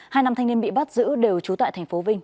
hai nam thanh niên bị bắt giữ đều trú tại tp vinh